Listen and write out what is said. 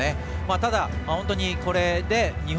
ただ、本当にこれで日本